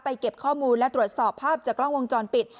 เก็บข้อมูลและตรวจสอบภาพจากกล้องวงจรปิด